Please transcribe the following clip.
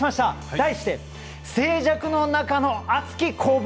題して「静寂の中の熱き攻防！